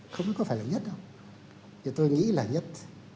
không có phải là nhất đâu thì tôi nghĩ là nhất